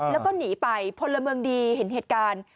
แล้วก็หนีไปพลเมืองดีเห็นเหตุการณ์